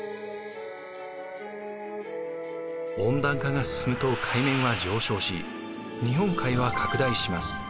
温暖化が進むと海面は上昇し日本海は拡大します。